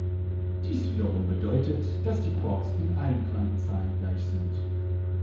Dies wiederum bedeutet, dass die Quarks in allen Quantenzahlen gleich sind.